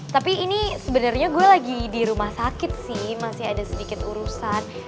tapi ini sebenarnya gue lagi di rumah sakit sih masih ada sedikit urusan